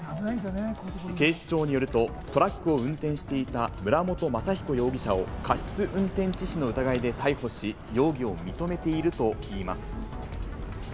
警視庁によると、トラックを運転していた村元雅彦容疑者を過失運転致死の疑いで逮捕し、容疑を認めているといいます。